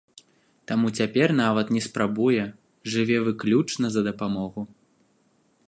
Таму цяпер нават не спрабуе, жыве выключна за дапамогу.